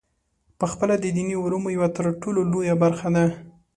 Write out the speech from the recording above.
پخپله د دیني علومو یوه ترټولو لویه برخه ده.